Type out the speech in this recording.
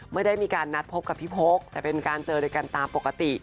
ไม่ได้มีการนัดพบกับพี่พกแต่เป็นการเจอด้วยกันตามปกติ